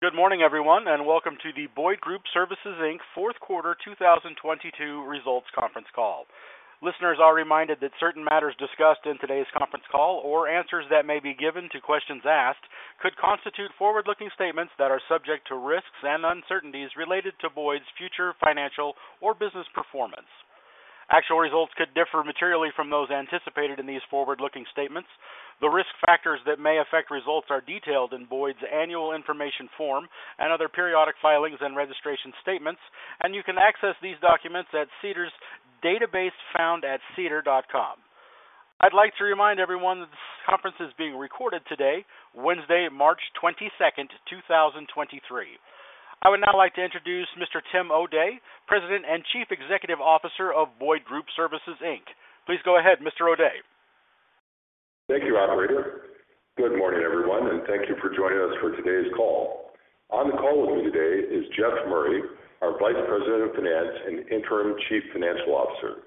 Good morning, everyone, and welcome to the Boyd Group Services Inc. fourth quarter 2022 results conference call. Listeners are reminded that certain matters discussed in today's conference call or answers that may be given to questions asked could constitute forward-looking statements that are subject to risks and uncertainties related to Boyd's future financial or business performance. Actual results could differ materially from those anticipated in these forward-looking statements. The risk factors that may affect results are detailed in Boyd's annual information form and other periodic filings and registration statements. You can access these documents at SEDAR's database found at sedar.com. I'd like to remind everyone this conference is being recorded today, Wednesday, March 22, 2023. I would now like to introduce Mr. Tim O'Day, President and Chief Executive Officer of Boyd Group Services Inc. Please go ahead, Mr. O'Day. Thank you, operator. Good morning, everyone. Thank you for joining us for today's call. On the call with me today is Jeff Murray, our Vice President of Finance and Interim Chief Financial Officer.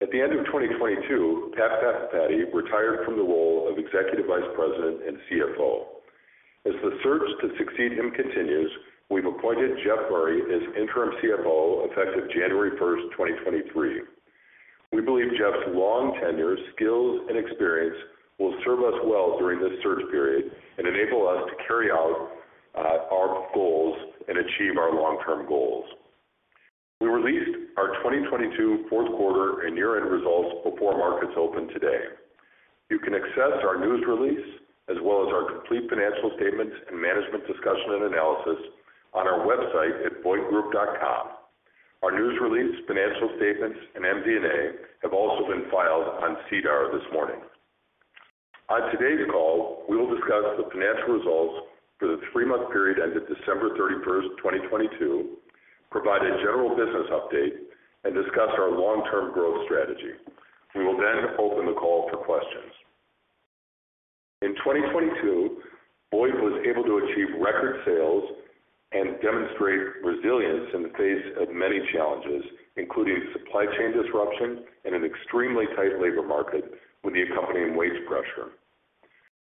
At the end of 2022, Pat Pathipati retired from the role of Executive Vice President and CFO. As the search to succeed him continues, we've appointed Jeff Murray as Interim CFO effective January 1, 2023. We believe Jeff's long tenure, skills, and experience will serve us well during this search period and enable us to carry out our goals and achieve our long-term goals. We released our 2022 fourth quarter and year-end results before markets opened today. You can access our news release as well as our complete financial statements and Management Discussion and Analysis on our website at boydgroup.com. Our news release, financial statements, and MD&A have also been filed on SEDAR this morning. On today's call, we will discuss the financial results for the three-month period ended December thirty-first, 2022, provide a general business update, and discuss our long-term growth strategy. We will then open the call for questions. In 2022, Boyd was able to achieve record sales and demonstrate resilience in the face of many challenges, including supply chain disruption and an extremely tight labor market with the accompanying wage pressure.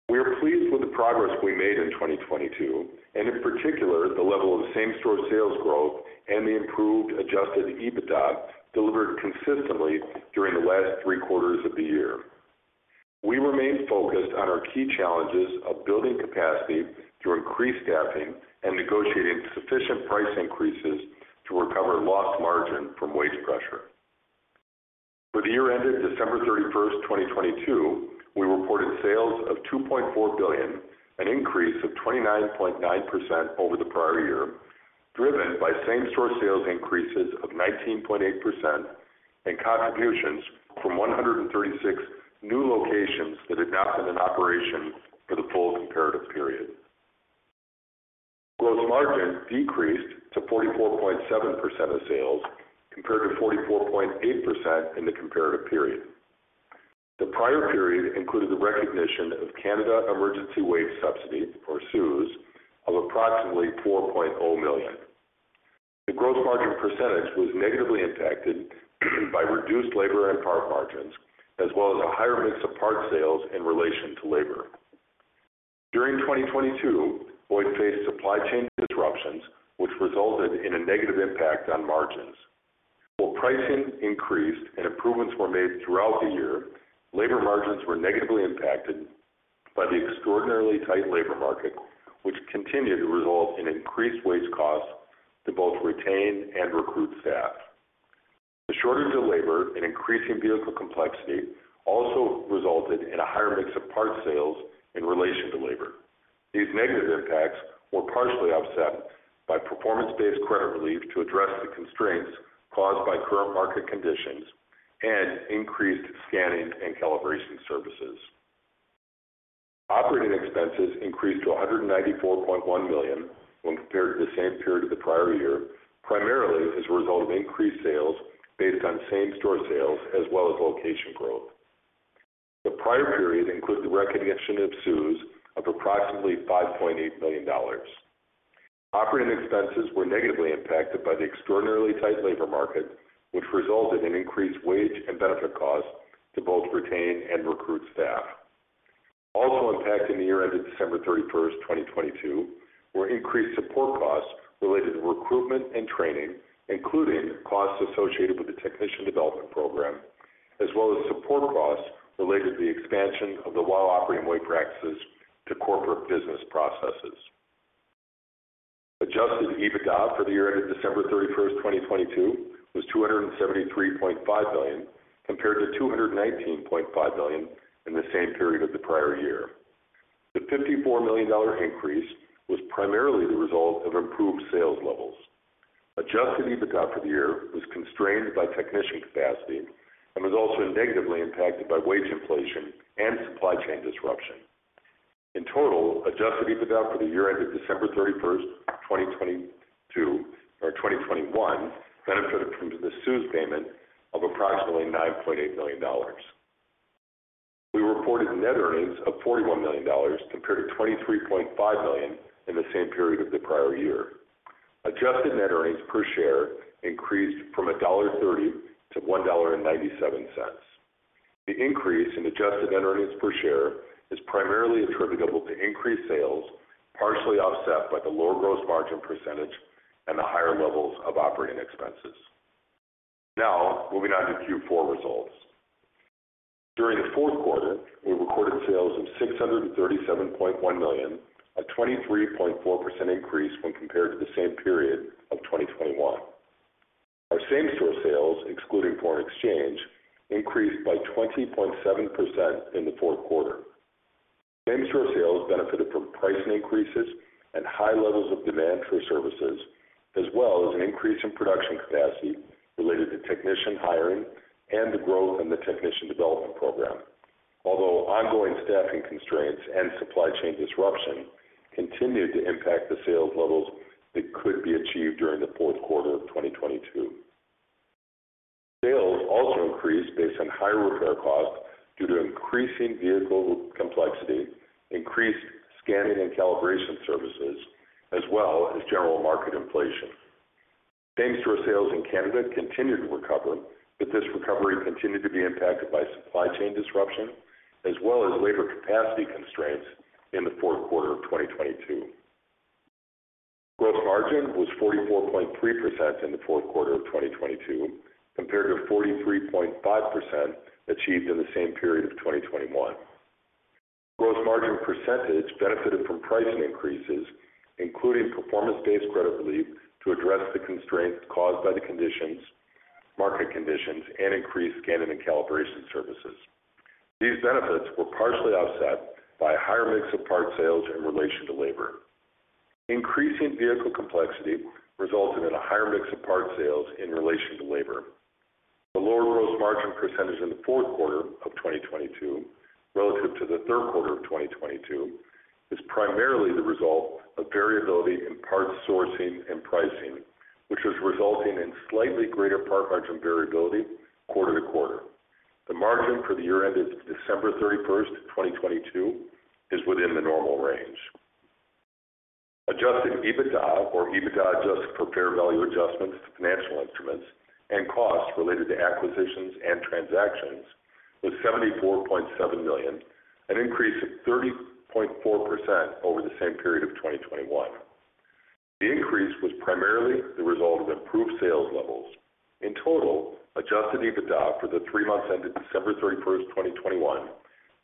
We are pleased with the progress we made in 2022, and in particular, the level of same-store sales growth and the improved adjusted EBITDA delivered consistently during the last three quarters of the year. We remain focused on our key challenges of building capacity through increased staffing and negotiating sufficient price increases to recover lost margin from wage pressure. For the year ended December 31, 2022, we reported sales of $2.4 billion, an increase of 29.9% over the prior year, driven by same-store sales increases of 19.8% and contributions from 136 new locations that had not been in operation for the full comparative period. Gross margin decreased to 44.7% of sales, compared to 44.8% in the comparative period. The prior period included the recognition of Canada Emergency Wage Subsidy, or CEWS, of approximately $4.0 million. The gross margin percentage was negatively impacted by reduced labor and part margins, as well as a higher mix of part sales in relation to labor. During 2022, Boyd faced supply chain disruptions, which resulted in a negative impact on margins. While pricing increased and improvements were made throughout the year, labor margins were negatively impacted by the extraordinarily tight labor market, which continued to result in increased wage costs to both retain and recruit staff. The shortage of labor and increasing vehicle complexity also resulted in a higher mix of parts sales in relation to labor. These negative impacts were partially offset by performance-based credit relief to address the constraints caused by current market conditions and increased scanning and calibration services. Operating expenses increased to $194.1 million when compared to the same period the prior year, primarily as a result of increased sales based on same-store sales as well as location growth. The prior period included the recognition of CEWS of approximately $5.8 million. Operating expenses were negatively impacted by the extraordinarily tight labor market, which resulted in increased wage and benefit costs to both retain and recruit staff. Also impacting the year ended December 31, 2022, were increased support costs related to recruitment and training, including costs associated with the Technician Development Program, as well as support costs related to the expansion of the WOW Operating Way practices to corporate business processes. adjusted EBITDA for the year ended December 31, 2022, was $273.5 million, compared to $219.5 million in the same period of the prior year. The $54 million increase was primarily the result of improved sales levels. adjusted EBITDA for the year was constrained by technician capacity and was also negatively impacted by wage inflation and supply chain disruption. In total, adjusted EBITDA for the year ended December 31, 2022 or 2021 benefited from the CEWS payment of approximately $9.8 million. We reported net earnings of $41 million, compared to $23.5 million in the same period of the prior year. Adjusted net earnings per share increased from $1.30 to $1.97. The increase in adjusted net earnings per share is primarily attributable to increased sales, partially offset by the lower gross margin percentage and the higher levels of operating expenses. Moving on to Q4 results. During the fourth quarter, we recorded sales of $637.1 million, a 23.4% increase when compared to the same period of 2021. Our same-store sales, excluding foreign exchange, increased by 20.7% in the fourth quarter. Same-store sales benefited from pricing increases and high levels of demand for services, as well as an increase in production capacity related to technician hiring and the growth in the Technician Development Program. Although ongoing staffing constraints and supply chain disruption continued to impact the sales levels that could be achieved during the fourth quarter of 2022. Sales also increased based on higher repair costs due to increasing vehicle complexity, increased scanning and calibration services, as well as general market inflation. Same-store sales in Canada continued to recover, but this recovery continued to be impacted by supply chain disruption as well as labor capacity constraints in the fourth quarter of 2022. Gross margin was 44.3% in the fourth quarter of 2022 compared to 43.5% achieved in the same period of 2021. Gross margin percentage benefited from pricing increases, including performance-based credit relief to address the constraints caused by the conditions, market conditions, and increased scanning and calibration services. These benefits were partially offset by a higher mix of parts sales in relation to labor. Increasing vehicle complexity resulted in a higher mix of parts sales in relation to labor. The lower gross margin percentage in the fourth quarter of 2022 relative to the third quarter of 2022 is primarily the result of variability in parts sourcing and pricing, which is resulting in slightly greater part margin variability quarter to quarter. The margin for the year ended December 31, 2022, is within the normal range. Adjusted EBITDA or EBITDA, adjusted for fair value adjustments to financial instruments and costs related to acquisitions and transactions, was $74.7 million, an increase of 30.4% over the same period of 2021. The increase was primarily the result of improved sales levels. In total, adjusted EBITDA for the three months ended December 31, 2021,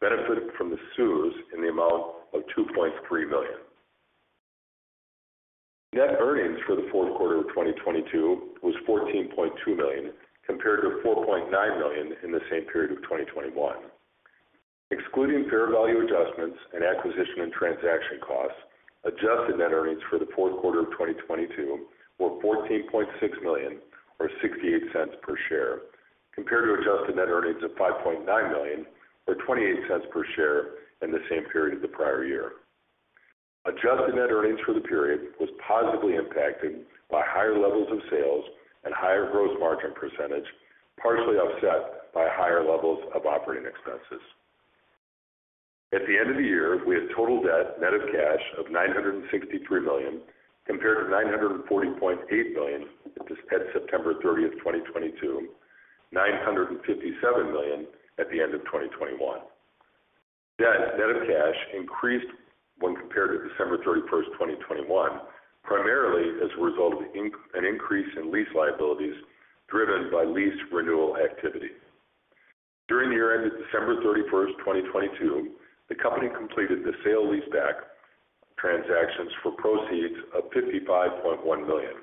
benefited from the CEWS in the amount of $2.3 million. Net earnings for the fourth quarter of 2022 was $14.2 million, compared to $4.9 million in the same period of 2021. Excluding fair value adjustments and acquisition and transaction costs, adjusted net earnings for the fourth quarter of 2022 were $14.6 million or $0.68 per share, compared to adjusted net earnings of $5.9 million or $0.28 per share in the same period of the prior year. Adjusted net earnings for the period was positively impacted by higher levels of sales and higher gross margin percentage, partially offset by higher levels of operating expenses. At the end of the year, we had total debt net of cash of $963 million, compared to $940.8 million at September 30, 2022, $957 million at the end of 2021. Debt net of cash increased when compared to December 31, 2021, primarily as a result of an increase in lease liabilities driven by lease renewal activity. During the year ended December 31, 2022, the company completed the sale leaseback transactions for proceeds of $55.1 million.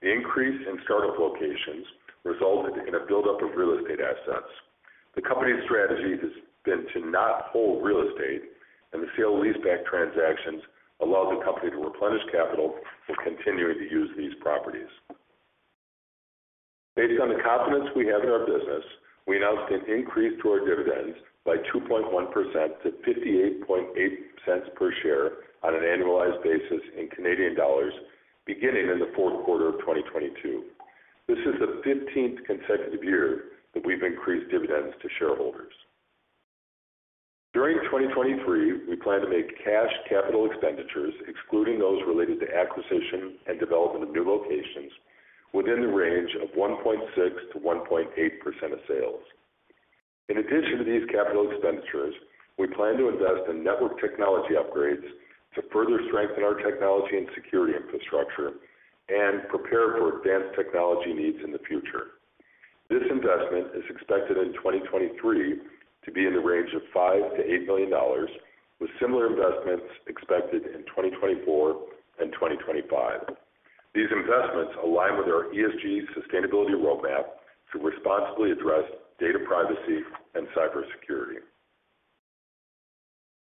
The increase in start-up locations resulted in a buildup of real estate assets. The company's strategy has been to not hold real estate. The sale leaseback transactions allow the company to replenish capital while continuing to use these properties. Based on the confidence we have in our business, we announced an increase to our dividends by 2.1% to CAD 0.588 per share on an annualized basis in Canadian dollars beginning in the fourth quarter of 2022. This is the 15th consecutive year that we've increased dividends to shareholders. During 2023, we plan to make cash capital expenditures, excluding those related to acquisition and development of new locations, within the range of 1.6%-1.8% of sales. In addition to these capital expenditures, we plan to invest in network technology upgrades to further strengthen our technology and security infrastructure and prepare for advanced technology needs in the future. This investment is expected in 2023 to be in the range of $5 million-$8 million, with similar investments expected in 2024 and 2025. These investments align with our ESG sustainability roadmap to responsibly address data privacy and cybersecurity.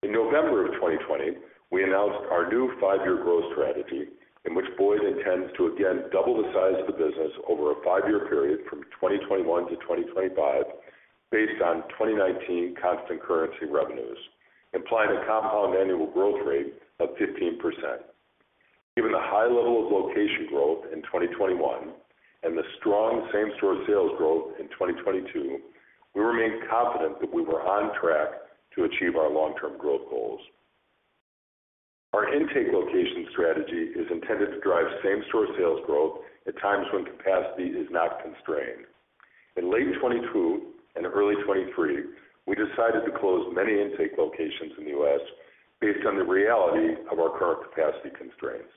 In November of 2020, we announced our new five-year growth strategy in which Boyd intends to again double the size of the business over a five-year period from 2021 to 2025, based on 2019 constant currency revenues, implying a compound annual growth rate of 15%. Given the high level of location growth in 2021 and the strong same-store sales growth in 2022, we remain confident that we were on track to achieve our long-term growth goals. Our intake location strategy is intended to drive same-store sales growth at times when capacity is not constrained. In late 2022 and early 2023, we decided to close many intake locations in the U.S. based on the reality of our current capacity constraints.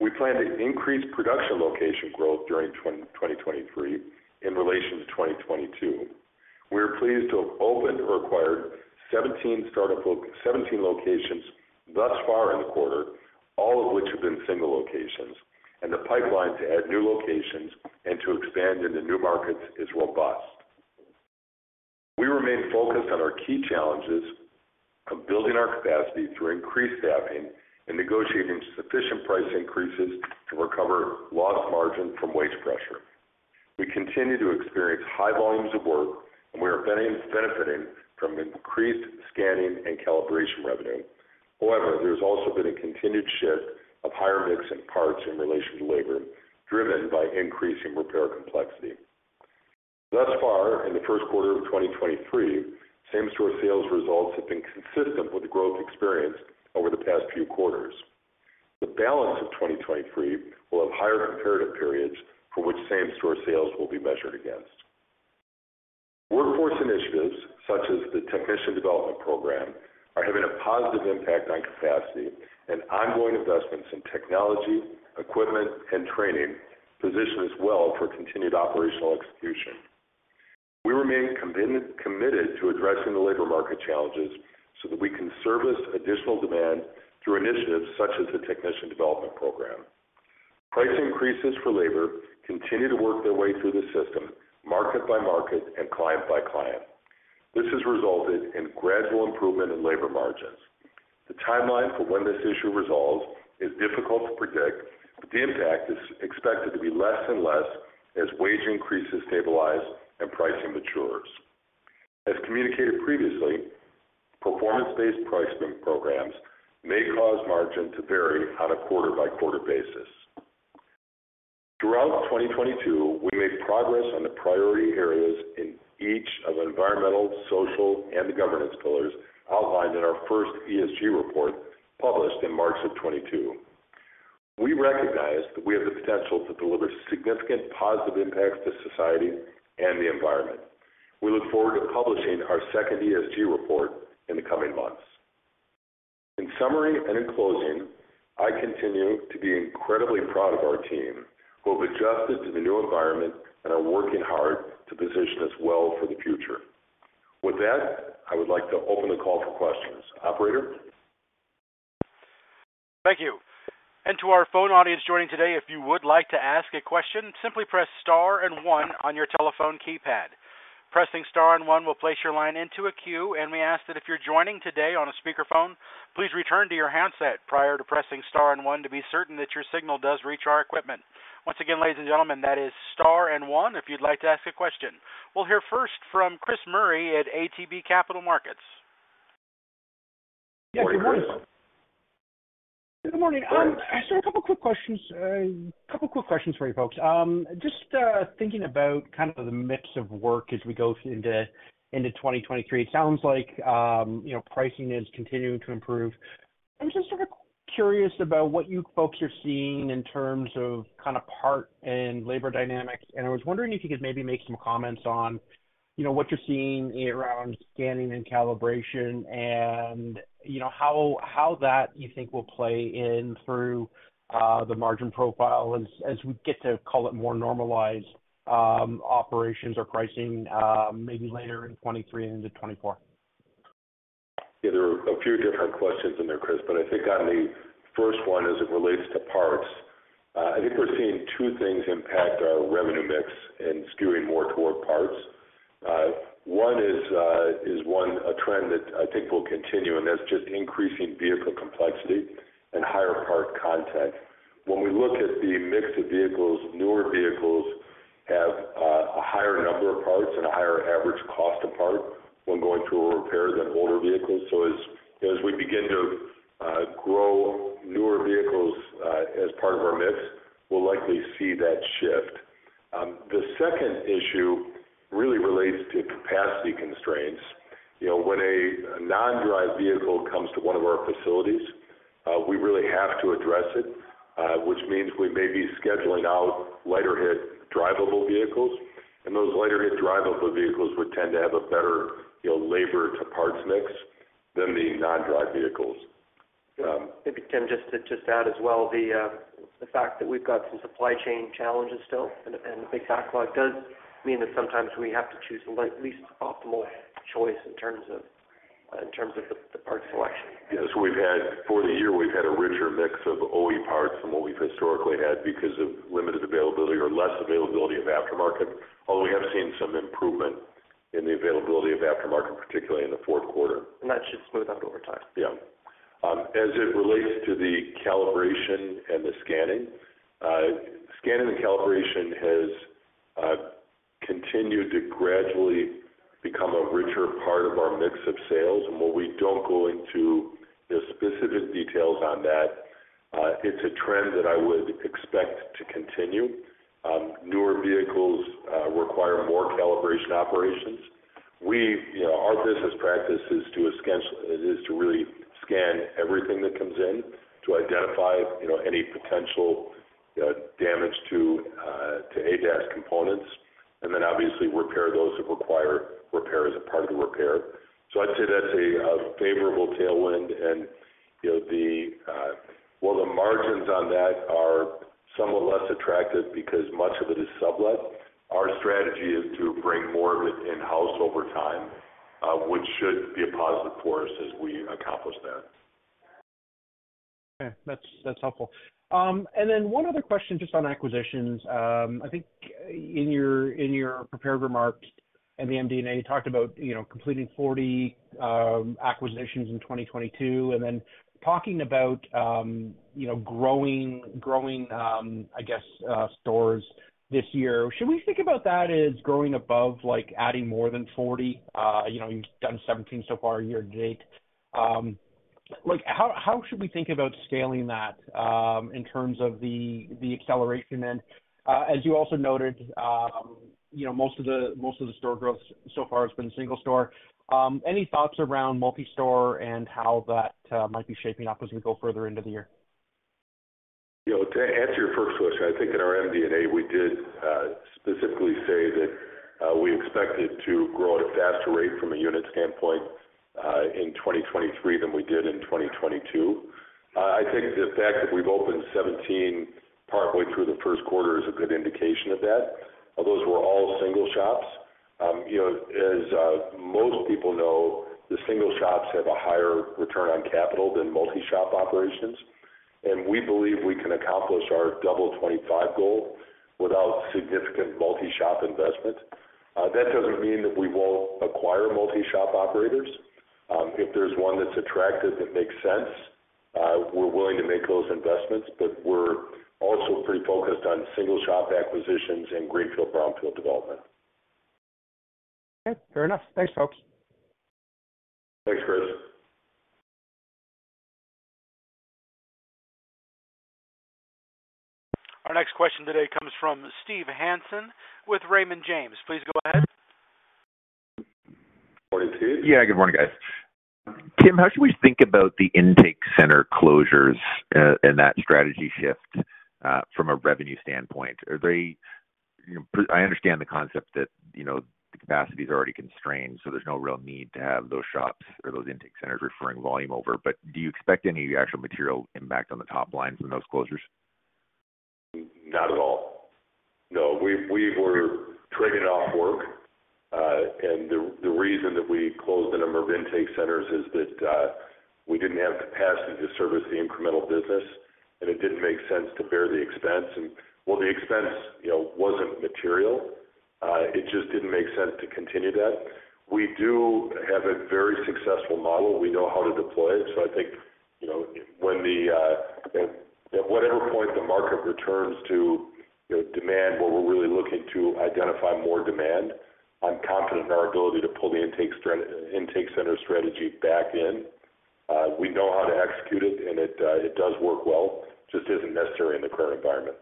We plan to increase production location growth during 2023 in relation to 2022. We are pleased to have opened or acquired 17 locations thus far in the quarter, all of which have been single locations, and the pipeline to add new locations and to expand into new markets is robust. We remain focused on our key challenges of building our capacity through increased staffing and negotiating sufficient price increases to recover lost margin from wage pressure. We continue to experience high volumes of work, and we are benefiting from increased scanning and calibration revenue. However, there's also been a continued shift of higher mix in parts in relation to labor, driven by increasing repair complexity. Thus far in the first quarter of 2023, same-store sales results have been consistent with the growth experienced over the past few quarters. The balance of 2023 will have higher comparative periods for which same-store sales will be measured against. Workforce initiatives such as the Technician Development Program are having a positive impact on capacity and ongoing investments in technology, equipment, and training position us well for continued operational execution. We remain committed to addressing the labor market challenges so that we can service additional demand through initiatives such as the Technician Development Program. Price increases for labor continue to work their way through the system, market by market and client by client. This has resulted in gradual improvement in labor margins. The timeline for when this issue resolves is difficult to predict, but the impact is expected to be less and less as wage increases stabilize and pricing matures. As communicated previously, performance-based pricing programs may cause margin to vary on a quarter-by-quarter basis. Throughout 2022, we made progress on the priority areas in each of environmental, social, and governance pillars outlined in our first ESG report published in March of 2022. We recognize that we have the potential to deliver significant positive impacts to society and the environment. We look forward to publishing our second ESG report in the coming months. In summary and in closing, I continue to be incredibly proud of our team, who have adjusted to the new environment and are working hard to position us well for the future. With that, I would like to open the call for questions. Operator? Thank you. To our phone audience joining today, if you would like to ask a question, simply press star and one on your telephone keypad. Pressing star and one will place your line into a queue, and we ask that if you're joining today on a speakerphone, please return to your handset prior to pressing star and one to be certain that your signal does reach our equipment. Once again, ladies and gentlemen, that is star and one if you'd like to ask a question. We'll hear first from Chris Murray at ATB Capital Markets. Good morning. Yeah, good morning. A couple quick questions for you folks. Just thinking about kind of the mix of work as we go into 2023. It sounds like, you know, pricing is continuing to improve. I'm just sort of curious about what you folks are seeing in terms of kind of part and labor dynamics. I was wondering if you could maybe make some comments on, you know, what you're seeing around scanning and calibration and, you know, how that you think will play in through the margin profile as we get to call it more normalized operations or pricing maybe later in 2023 and into 2024. Yeah, there are a few different questions in there, Chris. I think on the first one as it relates to parts, I think we're seeing two things impact our revenue mix and skewing more toward parts. One is a trend that I think will continue, and that's just increasing vehicle complexity and higher part content. When we look at the mix of vehicles, newer vehicles have a higher number of parts and a higher average cost of part when going through a repair than older vehicles. As, you know, as we begin to grow newer vehicles as part of our mix, we'll likely see that shift. The second issue really relates to capacity constraints. You know, when a non-drive vehicle comes to one of our facilities, we really have to address it, which means we may be scheduling out lighter hit drivable vehicles, and those lighter hit drivable vehicles would tend to have a better, you know, labor-to-parts mix than the non-drive vehicles. Maybe, Tim, just to, just add as well, the fact that we've got some supply chain challenges still and a big backlog does mean that sometimes we have to choose the least optimal choice in terms of, in terms of the part selection. Yes. For the year, we've had a richer mix of OE parts than what we've historically had because of limited availability or less availability of aftermarket, although we have seen some improvement in the availability of aftermarket, particularly in the fourth quarter. That should smooth out over time. Yeah. As it relates to the calibration and the scanning and calibration has continued to gradually become a richer part of our mix of sales. While we don't go into the specific details on that, it's a trend that I would expect to continue. Newer vehicles require more calibration operations. We, you know, our business practice is to really scan everything that comes in to identify, you know, any potential damage to ADAS components, and then obviously repair those that require repair as a part of the repair. I'd say that's a favorable tailwind and, you know, the. While the margins on that are somewhat less attractive because much of it is sublet, our strategy is to bring more of it in-house over time, which should be a positive for us as we accomplish that. Okay. That's, that's helpful. One other question just on acquisitions. I think in your, in your prepared remarks and the MD&A, you talked about, you know, completing 40 acquisitions in 2022, and then talking about, you know, growing stores this year. Should we think about that as growing above, like adding more than 40? You know, you've done 17 so far year-to-date. Like how should we think about scaling that in terms of the acceleration then? As you also noted, you know, most of the store growth so far has been single store. Any thoughts around multi-store and how that might be shaping up as we go further into the year? You know, to answer your first question, I think in our MD&A, we did specifically say that we expected to grow at a faster rate from a unit standpoint in 2023 than we did in 2022. I think the fact that we've opened 17 partway through the first quarter is a good indication of that. Those were all single shops. You know, as most people know, the single shops have a higher return on capital than multi-shop operations, and we believe we can accomplish our double 25 goal without significant multi-shop investment. That doesn't mean that we won't acquire multi-shop operators. If there's one that's attractive that makes sense, we're willing to make those investments, but we're also pretty focused on single shop acquisitions and greenfield, brownfield development. Okay, fair enough. Thanks, folks. Thanks, Chris. Our next question today comes from Steve Hansen with Raymond James. Please go ahead. Morning to you. Yeah. Good morning, guys. Tim, how should we think about the intake center closures and that strategy shift from a revenue standpoint? Are they-- You know, I understand the concept that, you know, the capacity is already constrained, so there's no real need to have those shops or those intake centers referring volume over. Do you expect any actual material impact on the top line from those closures? Not at all. No, we're trading off work. The reason that we closed a number of intake centers is that we didn't have capacity to service the incremental business, and it didn't make sense to bear the expense. Well, the expense, you know, wasn't material. It just didn't make sense to continue that. We do have a very successful model. We know how to deploy it. I think, you know, when at whatever point the market returns to, you know, demand, where we're really looking to identify more demand, I'm confident in our ability to pull the intake center strategy back in. We know how to execute it and it does work well, just isn't necessary in the current environment.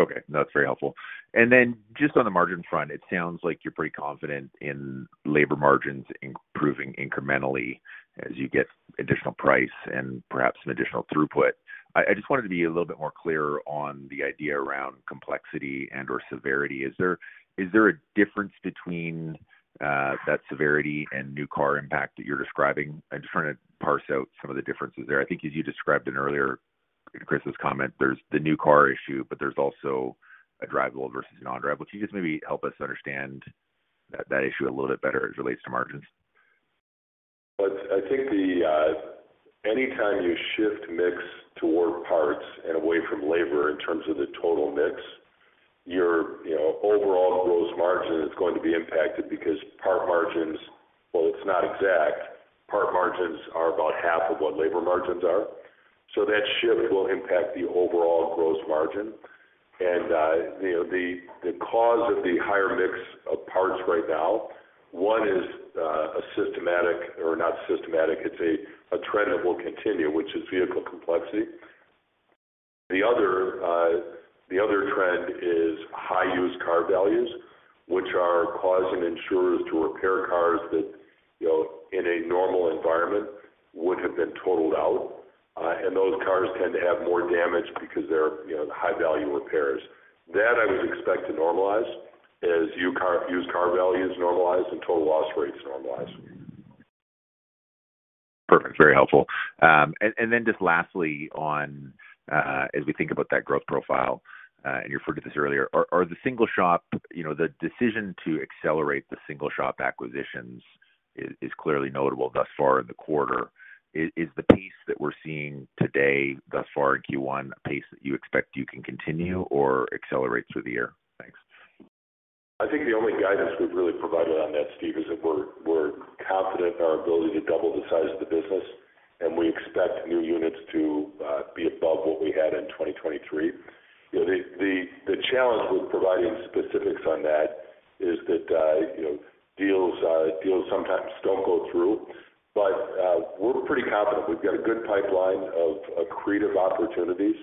Okay. No, that's very helpful. Then just on the margin front, it sounds like you're pretty confident in labor margins improving incrementally as you get additional price and perhaps some additional throughput. I just wanted to be a little bit more clear on the idea around complexity and/or severity. Is there a difference between that severity and new car impact that you're describing? I'm just trying to parse out some of the differences there. I think as you described in earlier, in Chris' comment, there's the new car issue, but there's also a drivable versus a non-drivable. Can you just maybe help us understand that issue a little bit better as it relates to margins? I think the anytime you shift mix toward parts and away from labor in terms of the total mix, your, you know, overall gross margin is going to be impacted because part margins, while it's not exact, part margins are about half of what labor margins are. That shift will impact the overall gross margin. You know, the cause of the higher mix of parts right now, one is a systematic or not systematic, it's a trend that will continue, which is vehicle complexity. The other trend is high used car values, which are causing insurers to repair cars that, you know, in a normal environment would have been totaled out. Those cars tend to have more damage because they're, you know, high-value repairs. That I would expect to normalize as used car values normalize and total loss rates normalize. Perfect. Very helpful. Then just lastly on, as we think about that growth profile, and you referred to this earlier. Are the single shop, you know, the decision to accelerate the single shop acquisitions is clearly notable thus far in the quarter? Is the pace that we're seeing today thus far in Q1 a pace that you expect you can continue or accelerate through the year? Thanks. I think the only guidance we've really provided on that, Steve, is that we're confident in our ability to double the size of the business and we expect new units to be above what we had in 2023. You know, the challenge with providing specifics on that is that, you know, deals sometimes don't go through. We're pretty confident. We've got a good pipeline of accretive opportunities,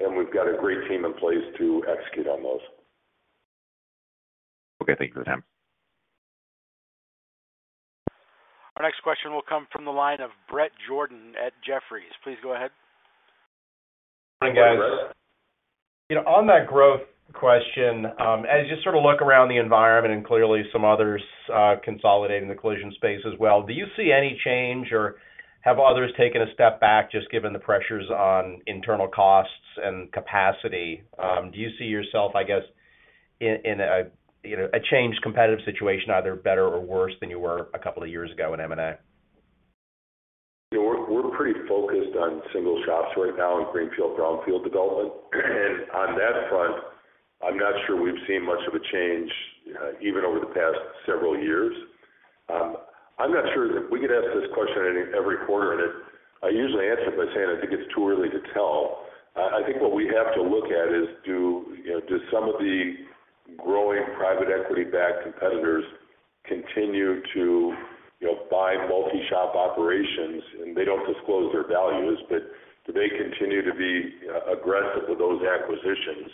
and we've got a great team in place to execute on those. Okay. Thank you, Tim. Our next question will come from the line of Bret Jordan at Jefferies. Please go ahead. Good morning, guys. You know, on that growth question, as you sort of look around the environment and clearly some others, consolidating the collision space as well, do you see any change, or have others taken a step back just given the pressures on internal costs and capacity? Do you see yourself, I guess, in a, you know, a changed competitive situation, either better or worse than you were two years ago in M&A? You know, we're pretty focused on single shops right now and greenfield, brownfield development. On that front, I'm not sure we've seen much of a change even over the past several years. I'm not sure that we get asked this question in every quarter, and it I usually answer it by saying, "I think it's too early to tell." I think what we have to look at is do, you know, do some of the growing private equity-backed competitors continue to, you know, buy multi-shop operations? They don't disclose their values, but do they continue to be aggressive with those acquisitions?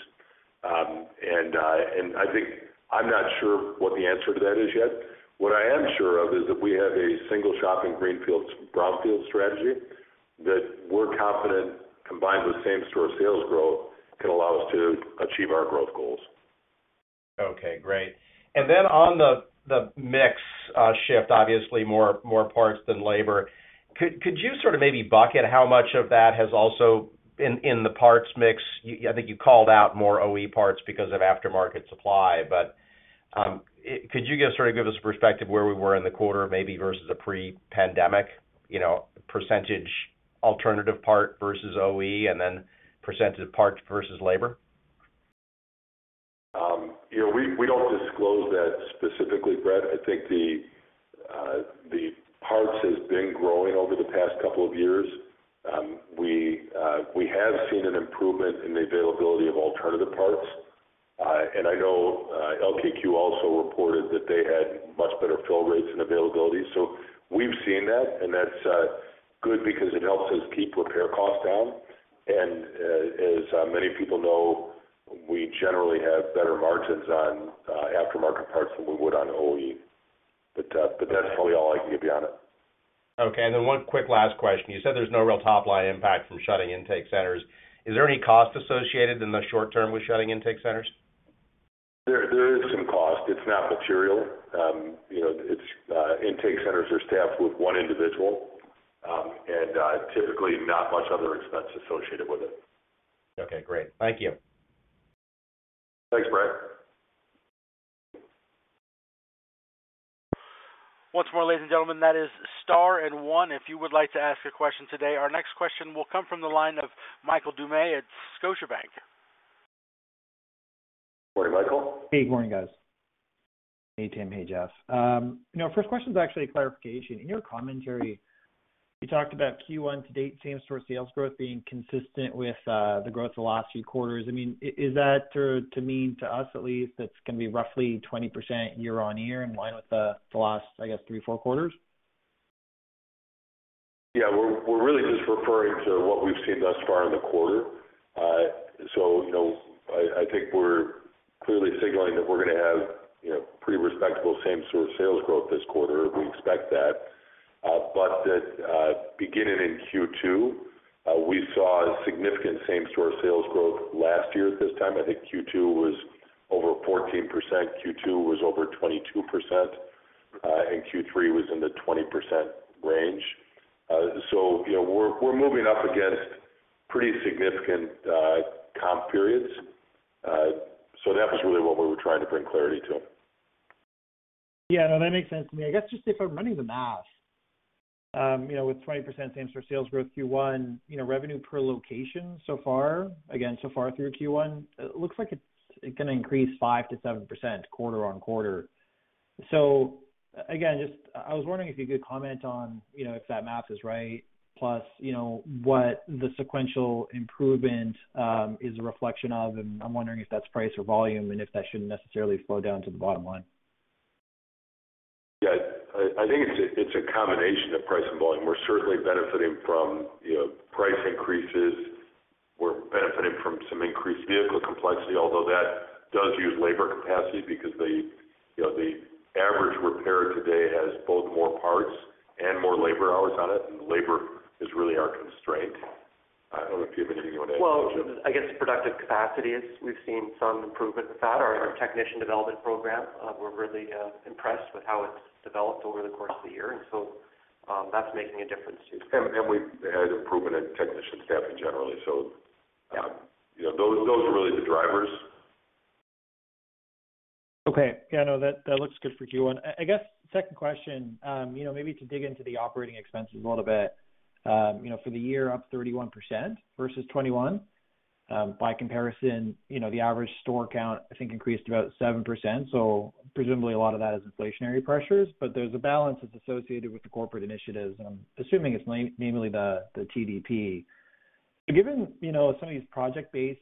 I think I'm not sure what the answer to that is yet. What I am sure of is that we have a single shop in greenfields, brownfield strategy that we're confident, combined with same-store sales growth, can allow us to achieve our growth goals. Okay. Great. On the mix shift, obviously more parts than labor. Could you sort of maybe bucket how much of that has also been in the parts mix? I think you called out more OE parts because of aftermarket supply. Could you guys sort of give us perspective where we were in the quarter maybe versus a pre-pandemic, you know, percentage alternative part versus OE and then percentage parts versus labor? you know, we don't disclose that specifically, Bret. I think the parts has been growing over the past couple of years. We have seen an improvement in the availability of alternative parts. I know LKQ also reported that they had much better fill rates and availability. We've seen that, and that's good because it helps us keep repair costs down. As many people know, we generally have better margins on aftermarket parts than we would on OE. That's really all I can give you on it. Okay. One quick last question. You said there's no real top line impact from shutting intake centers. Is there any cost associated in the short term with shutting intake centers? There is some cost. It's not material. you know, it's intake centers are staffed with one individual, and typically not much other expense associated with it. Okay, great. Thank you. Thanks, Bret. Once more, ladies and gentlemen, that is star and one if you would like to ask a question today. Our next question will come from the line of Michael Doumet at Scotiabank. Morning, Michael. Hey. Good morning, guys. Hey, Tim. Hey, Jeff. You know, first question is actually a clarification. In your commentary, you talked about Q1 to date same-store sales growth being consistent with the growth of the last few quarters. I mean, is that sort of to mean to us at least it's gonna be roughly 20% year-on-year in line with the last, I guess, three, four quarters? Yeah. We're really just referring to what we've seen thus far in the quarter. You know, I think we're clearly signaling that we're gonna have, you know, pretty respectable same-store sales growth this quarter. We expect that. That, beginning in Q2, we saw significant same-store sales growth last year at this time. I think Q2 was over 14%, Q2 was over 22%, and Q3 was in the 20% range. You know, we're moving up against pretty significant comp periods. That was really what we were trying to bring clarity to. Yeah. No, that makes sense to me. I guess just if I'm running the math, you know, with 20% same-store sales growth Q1, you know, revenue per location so far, again, so far through Q1, it looks like it's gonna increase 5%-7% quarter on quarter. Again, just I was wondering if you could comment on, you know, if that math is right, plus, you know, what the sequential improvement is a reflection of, and I'm wondering if that's price or volume and if that shouldn't necessarily flow down to the bottom line? I think it's a, it's a combination of price and volume. We're certainly benefiting from, you know, price increases. We're benefiting from some increased vehicle complexity, although that does use labor capacity because the, you know, the average repair today has both more parts and more labor hours on it, and the labor is really our constraint. I don't know if you have anything you wanna add, Jeff. I guess productive capacity is we've seen some improvement with that. Our Technician Development Program, we're really impressed with how it's developed over the course of the year, and so, that's making a difference too. We've had improvement in technician staffing generally. Yeah. You know, those are really the drivers. Okay. Yeah. No. That looks good for Q1. I guess second question, you know, maybe to dig into the operating expenses a little bit. You know, for the year up 31% versus 2021. By comparison, you know, the average store count, I think increased about 7%, so presumably a lot of that is inflationary pressures. There's a balance that's associated with the corporate initiatives, and I'm assuming it's mainly the TDP. Given, you know, some of these project-based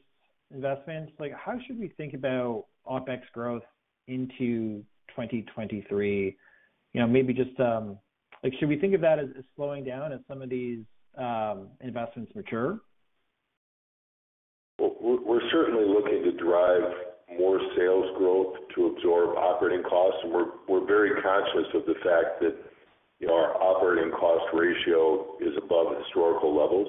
investments, like how should we think about OpEx growth into 2023? Like should we think of that as slowing down as some of these investments mature? We're certainly looking to drive more sales growth to absorb operating costs. We're very conscious of the fact that, you know, our operating cost ratio is above historical levels.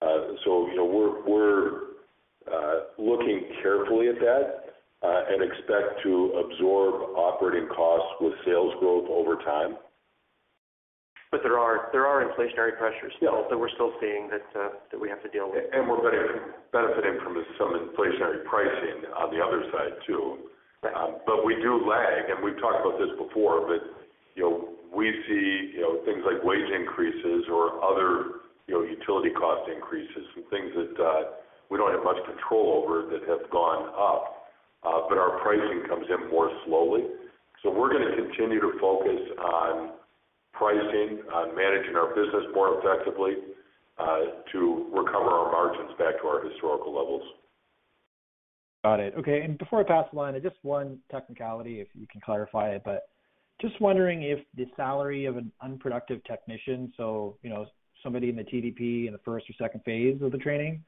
You know, we're looking carefully at that and expect to absorb operating costs with sales growth over time. There are inflationary pressures- Yeah. -that we're still seeing that we have to deal with. We're benefiting from some inflationary pricing on the other side too. Right. We do lag, and we've talked about this before, but, you know, we see, you know, things like wage increases or other, you know, utility cost increases and things that we don't have much control over that have gone up, but our pricing comes in more slowly. We're gonna continue to focus on pricing, on managing our business more effectively, to recover our margins back to our historical levels. Got it. Okay. Before I pass the line, just one technicality, if you can clarify it. Just wondering if the salary of an unproductive technician, so, you know, somebody in the TDP in the first or second phase of the training,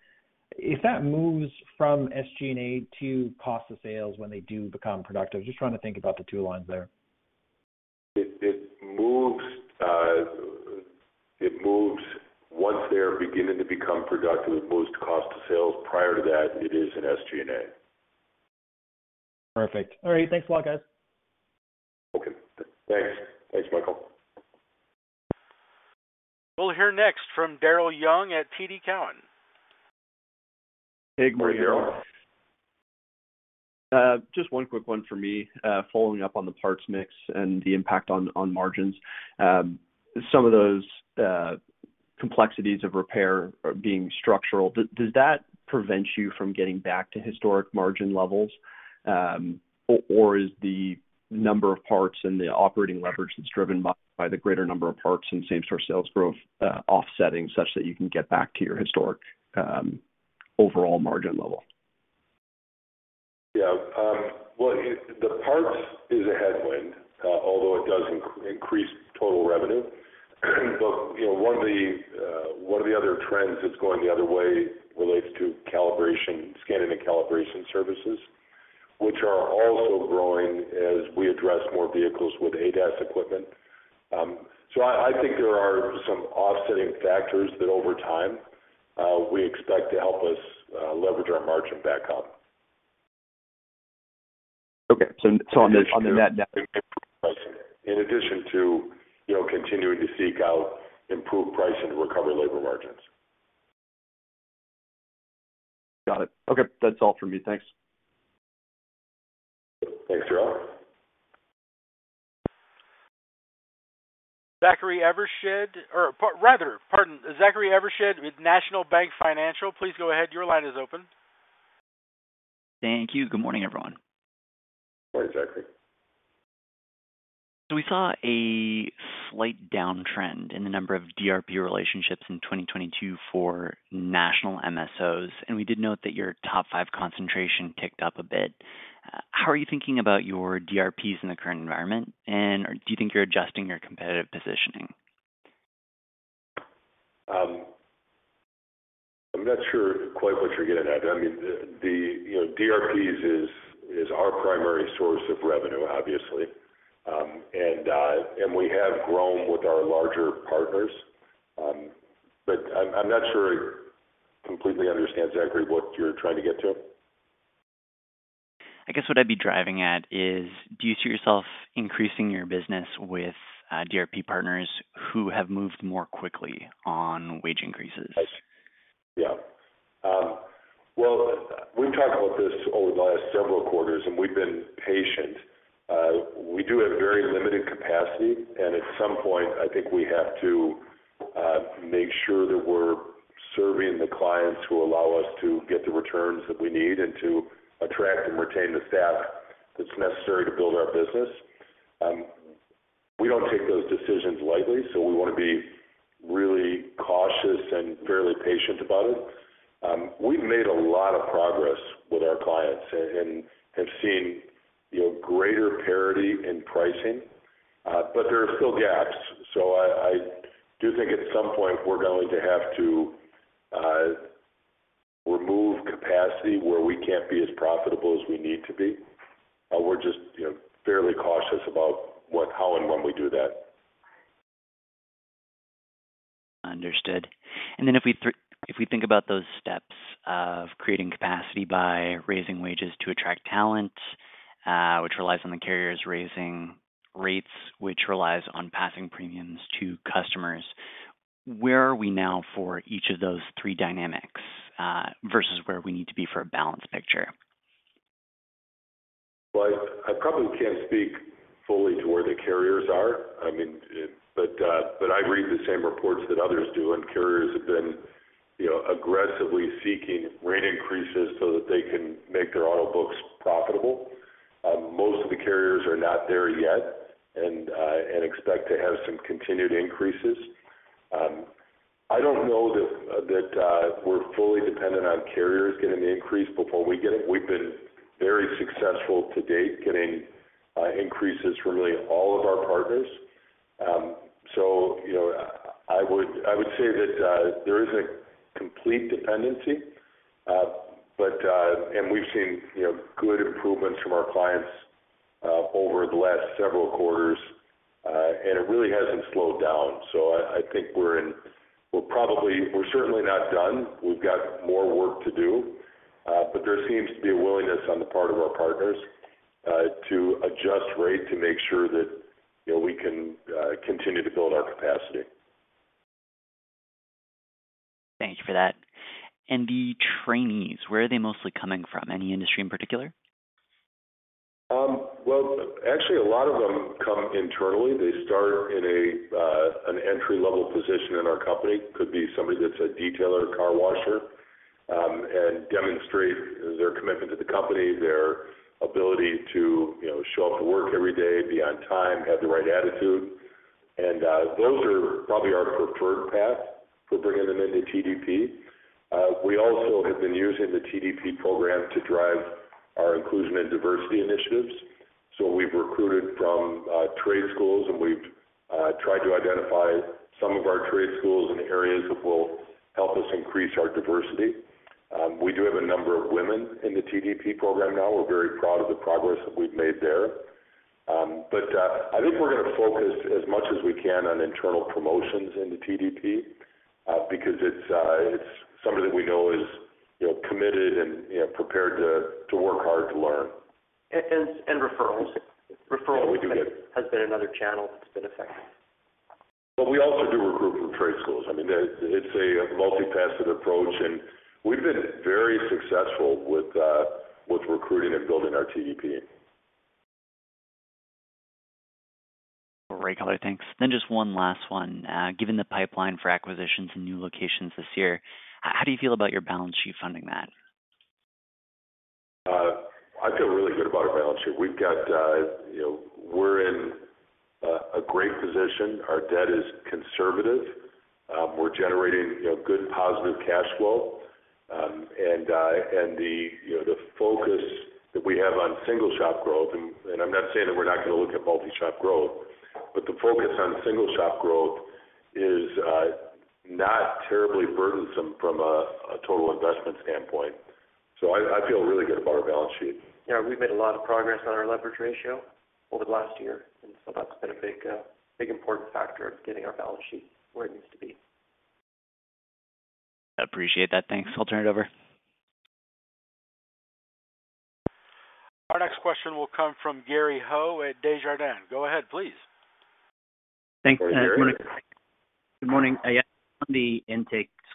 if that moves from SG&A to cost of sales when they do become productive. Just trying to think about the two lines there. It moves once they're beginning to become productive, it moves to cost of sales. Prior to that, it is an SG&A. Perfect. All right. Thanks a lot, guys. Okay. Thanks. Thanks, Michael. We'll hear next from Daryl Young at TD Cowen. Hey, good morning, Daryl. Just one quick one for me, following up on the parts mix and the impact on margins. Some of those complexities of repair are being structural. Does that prevent you from getting back to historic margin levels, or is the number of parts and the operating leverage that's driven by the greater number of parts and same store sales growth offsetting such that you can get back to your historic, overall margin level? Well the parts is a headwind, although it does increase total revenue. You know, one of the, one of the other trends that's going the other way relates to calibration, scanning and calibration services, which are also growing as we address more vehicles with ADAS equipment. I think there are some offsetting factors that over time, we expect to help us leverage our margin back up. Okay. On a net-net. In addition to, you know, continuing to seek out improved pricing to recover labor margins. Got it. Okay. That's all from me. Thanks. Thanks, Daryl. Zachary Evershed with National Bank Financial, please go ahead. Your line is open. Thank you. Good morning, everyone. Good morning, Zachary. We saw a slight downtrend in the number of DRP relationships in 2022 for national MSOs, and we did note that your top five concentration ticked up a bit. How are you thinking about your DRPs in the current environment, and do you think you're adjusting your competitive positioning? I'm not sure quite what you're getting at. I mean, the, you know, DRPs is our primary source of revenue, obviously. We have grown with our larger partners. I'm not sure I completely understand, Zachary, what you're trying to get to. I guess what I'd be driving at is, do you see yourself increasing your business with DRP partners who have moved more quickly on wage increases? I see. Yeah. Well, we've talked about this over the last several quarters, and we've been patient. We do have very limited capacity. At some point, I think we have to make sure that we're serving the clients who allow us to get the returns that we need and to attract and retain the staff that's necessary to build our business. We don't take those decisions lightly, so we want to be really cautious and fairly patient about it. We've made a lot of progress with our clients and have seen, you know, greater parity in pricing, but there are still gaps. I do think at some point we're going to have to remove capacity where we can't be as profitable as we need to be. We're just, you know, fairly cautious about what, how, and when we do that. Understood. If we think about those steps of creating capacity by raising wages to attract talent, which relies on the carriers raising rates, which relies on passing premiums to customers, where are we now for each of those three dynamics, versus where we need to be for a balanced picture? Well, I probably can't speak fully to where the carriers are. I mean, but I read the same reports that others do, and carriers have been, you know, aggressively seeking rate increases so that they can make their auto books profitable. Most of the carriers are not there yet and expect to have some continued increases. I don't know that we're fully dependent on carriers getting the increase before we get it. We've been very successful to date getting increases from really all of our partners. You know, I would say that there isn't a complete dependency. But we've seen, you know, good improvements from our clients over the last several quarters. It really hasn't slowed down. I think we're certainly not done. We've got more work to do, but there seems to be a willingness on the part of our partners to adjust rate to make sure that, you know, we can continue to build our capacity. Thank you for that. The trainees, where are they mostly coming from? Any industry in particular? Well, actually, a lot of them come internally. They start in an entry-level position in our company. Could be somebody that's a detailer, car washer, and demonstrate their commitment to the company, their ability to, you know, show up to work every day, be on time, have the right attitude. Those are probably our preferred path for bringing them into TDP. We also have been using the TDP program to drive our inclusion and diversity initiatives. We've recruited from trade schools, and we've tried to identify some of our trade schools in areas that will help us increase our diversity. We do have a number of women in the TDP program now. We're very proud of the progress that we've made there. I think we're gonna focus as much as we can on internal promotions in the TDP, because it's somebody that we know is, you know, committed and, you know, prepared to work hard to learn. Referrals. Yeah, we do that. Referrals has been another channel that's been effective. We also do recruit from trade schools. I mean, it's a multifaceted approach, and we've been very successful with recruiting and building our TDP. Great. Okay, thanks. Just one last one. Given the pipeline for acquisitions and new locations this year, how do you feel about your balance sheet funding that? I feel really good about our balance sheet. We've got, you know. We're in a great position. Our debt is conservative. We're generating, you know, good positive cash flow. And the, you know, the focus that we have on single shop growth, and I'm not saying that we're not gonna look at multi-shop growth, but the focus on single shop growth is not terribly burdensome from a total investment standpoint. I feel really good about our balance sheet. Yeah, we've made a lot of progress on our leverage ratio over the last year, and so that's been a big important factor of getting our balance sheet where it needs to be. I appreciate that. Thanks. I'll turn it over. Our next question will come from Gary Ho at Desjardins. Go ahead, please. Go ahead, Gary. Thanks. Good morning. Good morning. I guess on the intakes,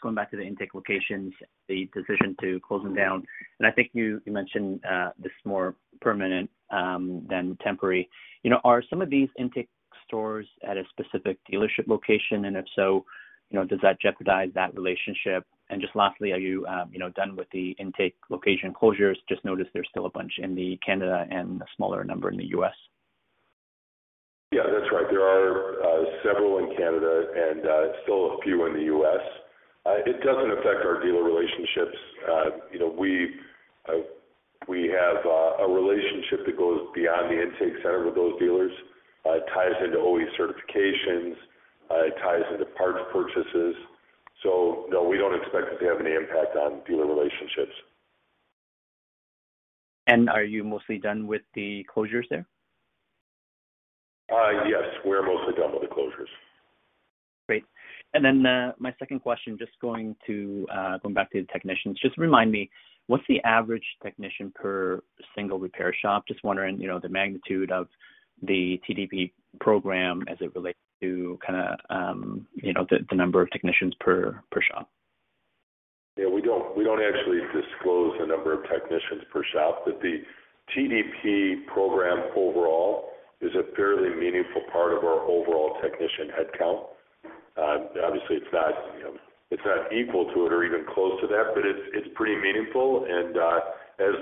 going back to the intake locations, the decision to close them down, I think you mentioned, this is more permanent than temporary. You know, are some of these intake stores at a specific dealership location? If so, you know, does that jeopardize that relationship? Just lastly, are you know, done with the intake location closures? Just noticed there's still a bunch in the Canada and a smaller number in the U.S. Yeah, that's right. There are several in Canada and still a few in the U.S. It doesn't affect our dealer relationships. You know, we have a relationship that goes beyond the intake center with those dealers. It ties into OE certifications. It ties into parts purchases. No, we don't expect it to have any impact on dealer relationships. Are you mostly done with the closures there? Yes, we're mostly done with the closures. Great. My second question, just going back to the technicians. Just remind me, what's the average technician per single repair shop? Just wondering, you know, the magnitude of the TDP program as it relates to kinda, you know, the number of technicians per shop. Yeah, we don't actually disclose the number of technicians per shop, but the TDP program overall is a fairly meaningful part of our overall technician headcount. Obviously it's not, it's not equal to it or even close to that, but it's pretty meaningful. As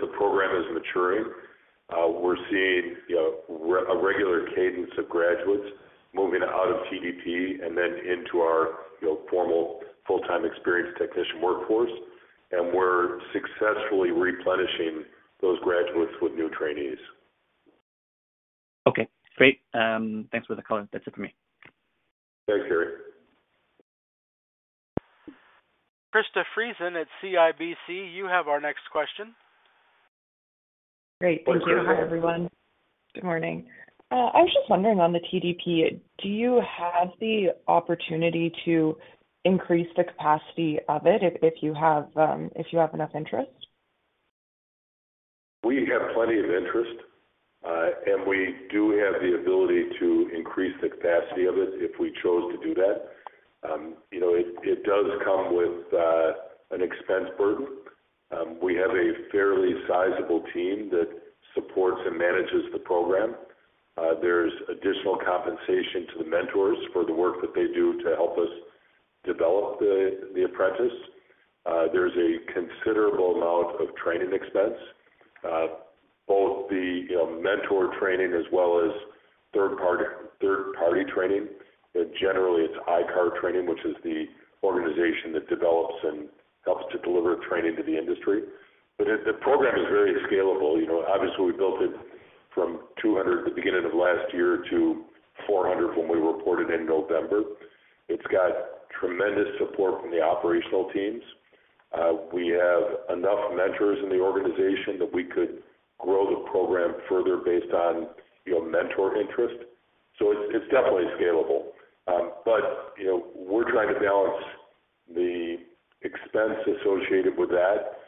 the program is maturing, we're seeing, you know, a regular cadence of graduates moving out of TDP and then into our, you know, formal full-time experienced technician workforce. We're successfully replenishing those graduates with new trainees. Okay, great. Thanks for the color. That's it for me. Thanks, Gary. Krista Friesen at CIBC, you have our next question. Hi, Krista. Great. Thank you. Hi, everyone. Good morning. I was just wondering on the TDP, do you have the opportunity to increase the capacity of it if you have enough interest? We have plenty of interest. We do have the ability to increase the capacity of it if we chose to do that. You know, it does come with an expense burden. We have a fairly sizable team that supports and manages the program. There's additional compensation to the mentors for the work that they do to help us develop the apprentice. There's a considerable amount of training expense, both the, you know, mentor training as well as third party training. Generally, it's I-CAR training, which is the organization that develops and helps to deliver training to the industry. The program is very scalable. You know, obviously, we built it from 200 the beginning of last year to 400 when we reported in November. It's got tremendous support from the operational teams. We have enough mentors in the organization that we could grow the program further based on, you know, mentor interest. It's, it's definitely scalable. You know, we're trying to balance the expense associated with that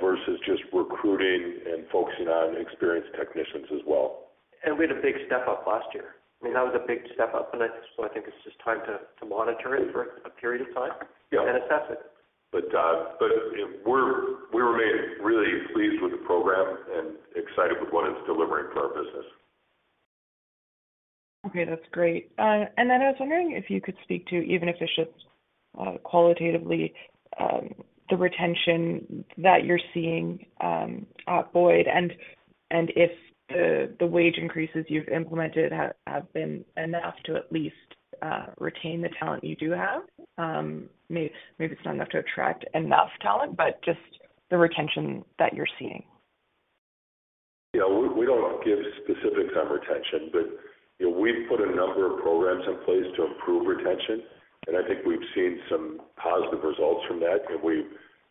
versus just recruiting and focusing on experienced technicians as well. We had a big step up last year. I mean, that was a big step up, and I think it's just time to monitor it for a period of time,- Yeah. -and assess it. We remain really pleased with the program and excited with what it's delivering to our business. Okay, that's great. I was wondering if you could speak to, even if it's just qualitatively, the retention that you're seeing at Boyd and if the wage increases you've implemented have been enough to at least retain the talent you do have. Maybe it's not enough to attract enough talent, but just the retention that you're seeing. Yeah. We don't give specifics on retention, but, you know, we've put a number of programs in place to improve retention, and I think we've seen some positive results from that. We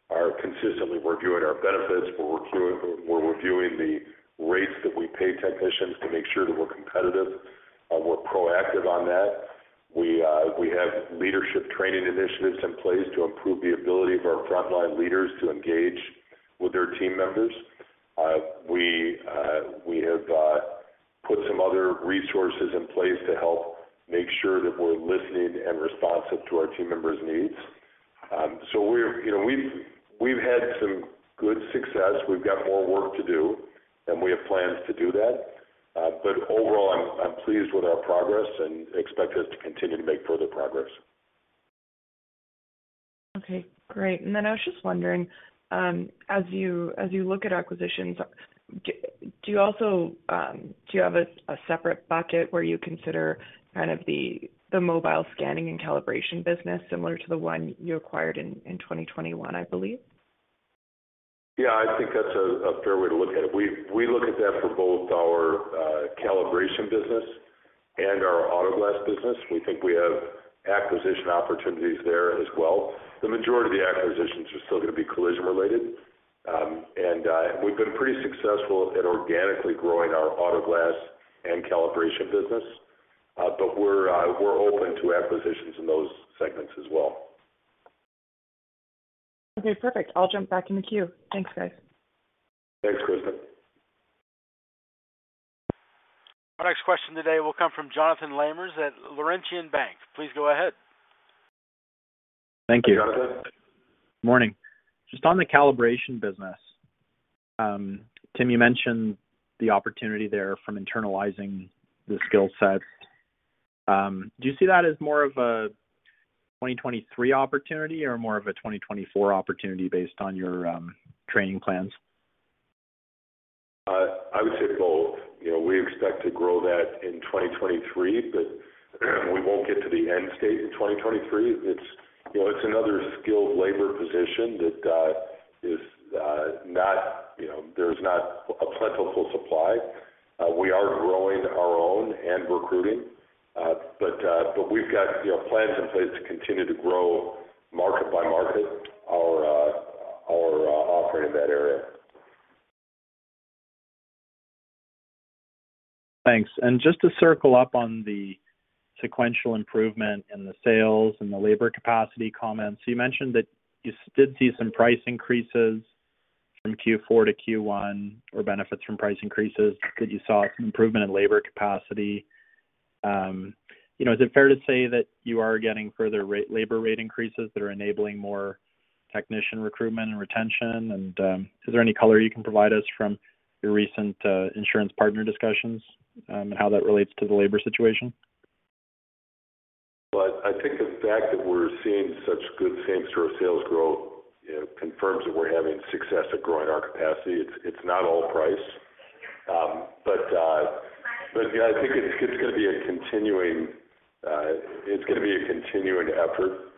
are consistently reviewing our benefits. We're reviewing the rates that we pay technicians to make sure that we're competitive. We're proactive on that. We have leadership training initiatives in place to improve the ability of our frontline leaders to engage with their team members. We have put some other resources in place to help make sure that we're listening and responsive to our team members' needs. You know, we've had some good success. We've got more work to do, and we have plans to do that. Overall, I'm pleased with our progress and expect us to continue to make further progress. Okay, great. I was just wondering, as you, as you look at acquisitions, do you also, do you have a separate bucket where you consider kind of the mobile scanning and calibration business similar to the one you acquired in 2021, I believe? Yeah. I think that's a fair way to look at it. We look at that for both our calibration business and our auto glass business. We think we have acquisition opportunities there as well. The majority of the acquisitions are still gonna be collision related. We've been pretty successful at organically growing our auto glass and calibration business. We're open to acquisitions in those segments as well. Okay, perfect. I'll jump back in the queue. Thanks, guys. Thanks, Krista. Our next question today will come from Jonathan Lamers at Laurentian Bank. Please go ahead. Thank you. Jonathan. Morning. Just on the calibration business. Tim, you mentioned the opportunity there from internalizing the skill set. Do you see that as more of a 2023 opportunity or more of a 2024 opportunity based on your training plans? I would say both. You know, we expect to grow that in 2023, but we won't get to the end state in 2023. It's, you know, it's another skilled labor position that is not, you know, there's not a plentiful supply. We are growing our own and recruiting. We've got, you know, plans in place to continue to grow market by market our, offering in that area. Thanks. Just to circle up on the sequential improvement in the sales and the labor capacity comments. You mentioned that you did see some price increases from Q4 to Q1 or benefits from price increases, that you saw some improvement in labor capacity. You know, is it fair to say that you are getting further labor rate increases that are enabling more technician recruitment and retention? Is there any color you can provide us from your recent insurance partner discussions, and how that relates to the labor situation? I think the fact that we're seeing such good same-store sales growth, you know, confirms that we're having success at growing our capacity. It's not all price. Yeah, I think it's gonna be a continuing, it's gonna be a continuing effort,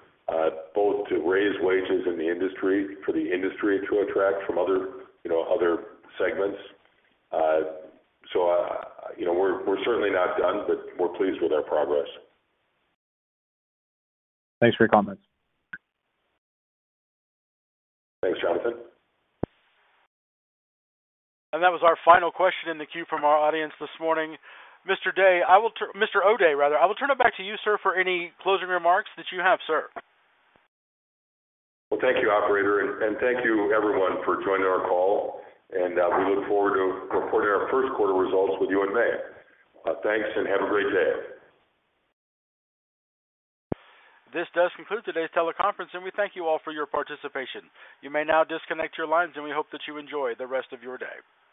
both to raise wages in the industry for the industry to attract from other, you know, other segments. You know, we're certainly not done, but we're pleased with our progress. Thanks for your comments. Thanks, Jonathan. That was our final question in the queue from our audience this morning. Mr. O'Day, rather, I will turn it back to you, sir, for any closing remarks that you have, sir. Well, thank you, operator, and thank you everyone for joining our call, and we look forward to reporting our first quarter results with you in May. Thanks and have a great day. This does conclude today's teleconference, and we thank you all for your participation. You may now disconnect your lines, and we hope that you enjoy the rest of your day.